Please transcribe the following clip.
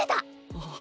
あっ。